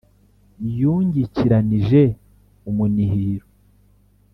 Yungikiranije umunihiro